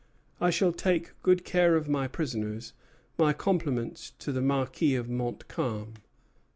I shall take good care of my prisoners. My compliments to the Marquis of Montcalm."